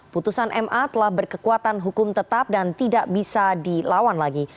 putusan ma telah berkekuatan hukum tetap dan tidak bisa dilawan lagi